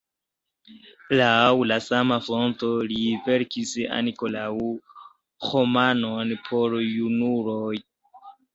Laŭ la sama fonto li verkis ankoraŭ romanon por junuloj.